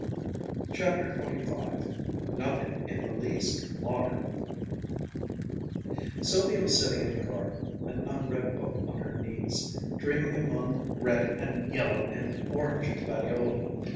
CHAPTER XXV NOTHING IN THE LEAST MODERN Sylvia was sitting in the garden, an unread book on her knees, dreaming among red and yellow and orange gladioli.